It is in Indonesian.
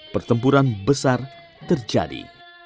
pertempuran besar terjadi